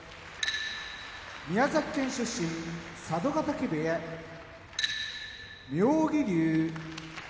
宮崎県出身佐渡ヶ嶽部屋妙義龍